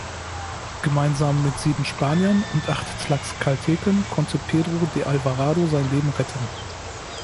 Gemeinsam mit sieben Spaniern und acht Tlaxcalteken konnte Pedro de Alvarado sein Leben retten.